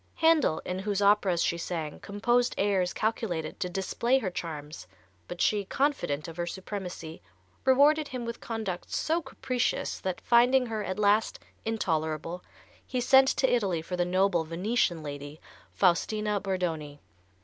Handel, in whose operas she sang, composed airs calculated to display her charms, but she, confident of her supremacy, rewarded him with conduct so capricious that, finding her at last intolerable, he sent to Italy for the noble Venetian lady, Faustina Bordoni.